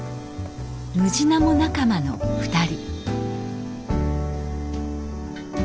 ムジナモ仲間の２人。